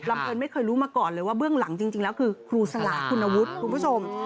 เอิญไม่เคยรู้มาก่อนเลยว่าเบื้องหลังจริงแล้วคือครูสลาคุณวุฒิคุณผู้ชม